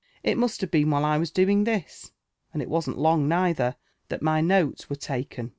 It must have been while I was doing this, and it wasn'l long neither, tliat mv notes were taken."